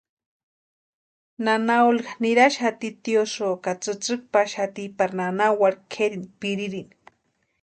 Nana Olga niraxati tiosïu ka tsïtsïki paxati pari nana wari kʼerini pirirani.